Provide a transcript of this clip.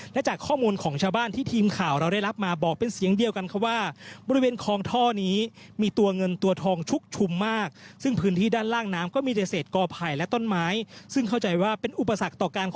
และจากข้อมูลของชาวบ้านที่ทีมข่าวเราได้รับมาบอกเป็นเสียงเดียวกันว่า